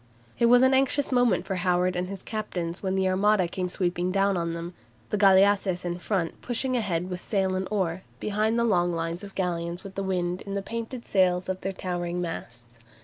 It was an anxious moment for Howard and his captains when the Armada came sweeping down on them, the galleasses in front pushing ahead with sail and oar, behind the long lines of galleons with the wind in the painted sails of their towering masts.